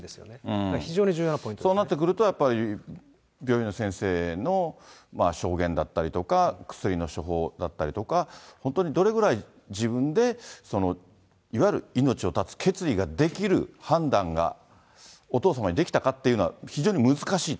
だから非常に重要なそうなってくると、やっぱり病院の先生の証言だったりとか、薬の処方だったりとか、本当にどれぐらい自分で、いわゆる命を絶つ決意ができる判断が、お父様にできたかっていうのは、非常に難しいと。